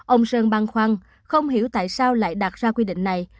ông sơn bàn khoan không hiểu tại sao lại đặt ra quy định này